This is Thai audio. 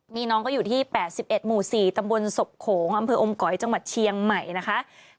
นี่น้องก็อยู่ที่๘๑หมู่๔ตำบลศพโขงอำเภออมก๋อยจังหวัดเชียงใหม่นะคะ